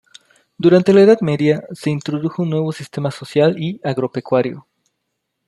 Durante la Edad Media se introdujo un nuevo sistema social y agropecuario.